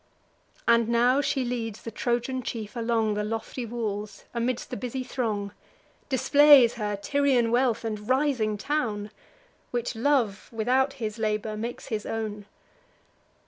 And now she leads the Trojan chief along The lofty walls, amidst the busy throng; Displays her Tyrian wealth, and rising town, Which love, without his labour, makes his own.